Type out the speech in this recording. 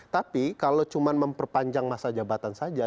tapi kalau cuma memperpanjang masa jabatan saja